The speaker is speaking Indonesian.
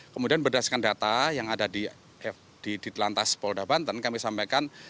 kemudian berdasarkan data yang ada di ditelantas polda banten kami sampaikan